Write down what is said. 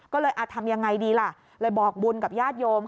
ก็เลยทำยังไงดีล่ะเลยบอกบุญกับญาติโยม